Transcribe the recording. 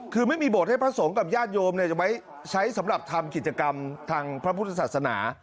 คือไม่มีโบสถให้พระสงฆ์กับญาติโยมจะไว้ใช้สำหรับทำกิจกรรมทางพระพุทธศาสนา